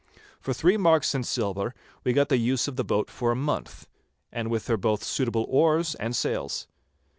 For three merks in silver we got the use of the boat for a month, and with her both suitable oars and sails.